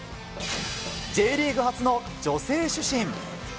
Ｊリーグ初の女性主審。